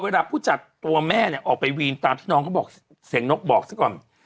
ผู้จัดตัวแม่เนี่ยออกไปวีนตามที่น้องเขาบอกเสียงนกบอกซะก่อน